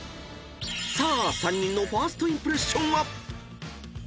［さあ３人の１ｓｔインプレッションは？］